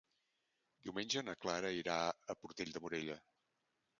Diumenge na Clara irà a Portell de Morella.